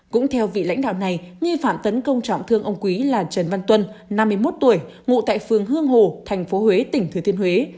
cũng theo vị lãnh đạo này nghi phạm tấn công trọng thương ông quý là trần văn tuân năm mươi một tuổi ngụ tại phường hương hồ thành phố huế tỉnh thừa thiên huế